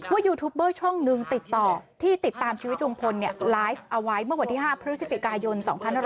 ยูทูปเบอร์ช่องหนึ่งติดต่อที่ติดตามชีวิตลุงพลไลฟ์เอาไว้เมื่อวันที่๕พฤศจิกายน๒๕๖๐